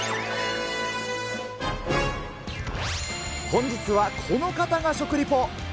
本日はこの方が食リポ。